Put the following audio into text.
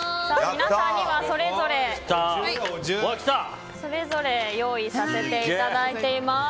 皆さんにはそれぞれ用意させていただいています。